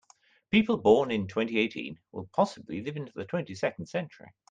People born in twenty-eighteen will possibly live into the twenty-second century.